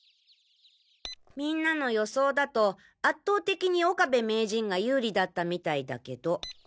みんなの予想だと圧倒的に岡部名人が有利だったみたいだけど。